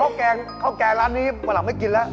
ข้าวแกงข้าวแกงร้านนี้ไม่กินแล้ว